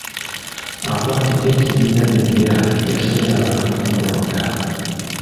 Akwatidde ekibiina bbendera yasabye abantu okumulonda.